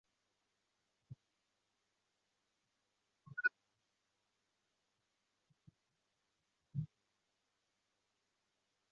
行台侯景和别人讨论穿衣衣襟之法是襟为左前还是右前。